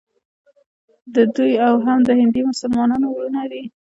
د دوی او هم د هندي مسلمانانو وروڼو لپاره.